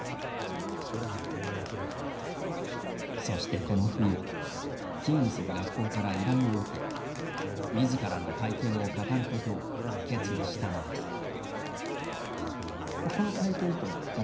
そして、この冬勤務する学校から依頼を受けみずからの体験を語ることを決意したのです。